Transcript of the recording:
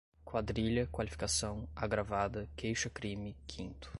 quadrilha, qualificação, agravada, queixa-crime, quinto